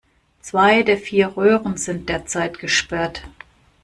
Zwei der vier Röhren sind derzeit gesperrt.